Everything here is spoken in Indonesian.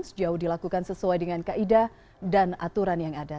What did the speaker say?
sejauh dilakukan sesuai dengan kaida dan aturan yang ada